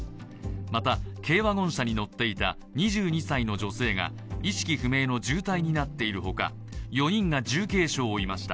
また軽ワゴン車に乗っていた２２歳の女性が意識不明の重体になっているほか４人が重軽傷を負いました。